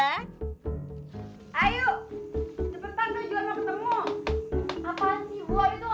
cepetan dong juan mau ketemu